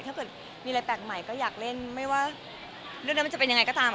ถ้าเกิดมีอะไรแปลกใหม่ก็อยากเล่นไม่ว่าเรื่องนั้นมันจะเป็นยังไงก็ตาม